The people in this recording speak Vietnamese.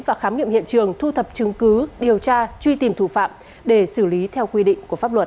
và khám nghiệm hiện trường thu thập chứng cứ điều tra truy tìm thủ phạm để xử lý theo quy định của pháp luật